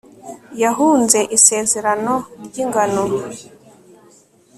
yahunze isezerano ry'ingano